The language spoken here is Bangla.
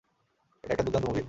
এটা একটা দুর্দান্ত মুভি।